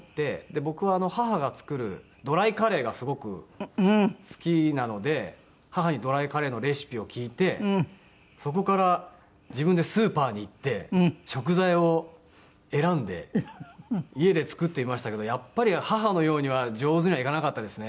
僕は母が作るドライカレーがすごく好きなので母にドライカレーのレシピを聞いてそこから自分でスーパーに行って食材を選んで家で作ってみましたけどやっぱり母のようには上手にはいかなかったですね。